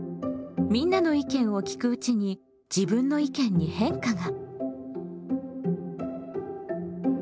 みんなの意見を聞くうちに自分の意見に変化が。